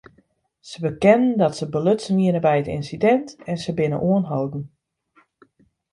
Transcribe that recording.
Sy bekenden dat se belutsen wiene by it ynsidint en se binne oanholden.